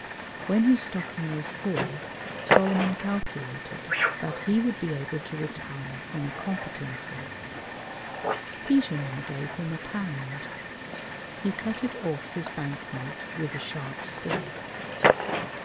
When his stocking was full, Solomon calculated that he would be able to retire on a competency. Peter now gave him a pound. He cut it off his bank note with a sharp stick.